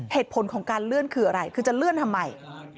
เหตุผลของการเลื่อนคืออะไรคือจะเลื่อนทำไม